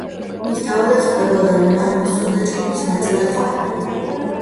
ის თავადაც ხვდებოდა, რომ არ მოსწონდა ჯგუფის ნაწილად ყოფნა.